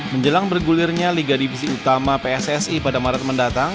menjelang bergulirnya liga divisi utama pssi pada maret mendatang